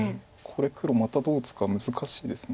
これ黒またどう打つか難しいです。